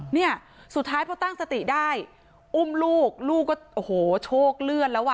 เนี่ยสุดท้ายพอตั้งสติได้อุ้มลูกลูกก็โอ้โหโชคเลือดแล้วอ่ะ